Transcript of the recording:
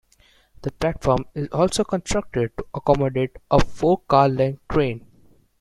The platform is also constructed to accommodate a four-car-length train.